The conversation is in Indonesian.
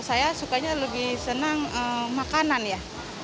saya sukanya lebih senang makanan ya